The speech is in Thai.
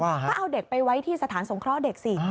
ก็เอาเด็กไปไว้ที่สถานสงเคราะห์เด็กสิ